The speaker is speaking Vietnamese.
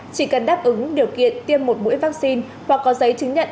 chỉ cần đáp ứng điều kiện tiêm một mũi vaccine hoặc có giấy chứng nhận